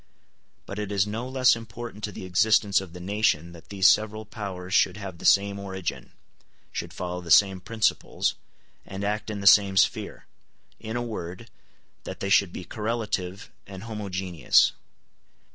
But it is no less important to the existence of the nation that these several powers should have the same origin, should follow the same principles, and act in the same sphere; in a word, that they should be correlative and homogeneous.